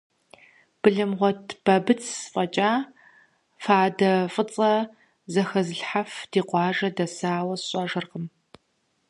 Былымгъуэт Бабыц фӀэкӀа фадэ фӀыцӀэ зэхэзылъхьэф ди къуажэ дэсауэ сщӀэжыркъым.